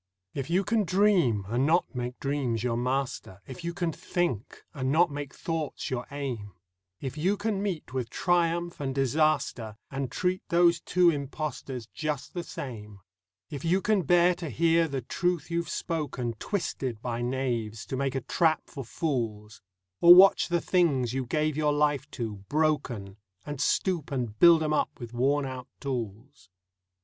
If you can dream and not make dreams your master ; If you can think and not make thoughts your aim ; If you can meet with Triumph and Disaster And treat those two impostors just the same ; If you can bear to hear the truth you've spoken Twisted by knaves to make a trap for fools, Or watch the things you gave your life to broken, And stoop and build 'em up with worn out tools.